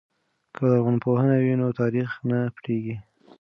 که لرغونپوهنه وي نو تاریخ نه پټیږي.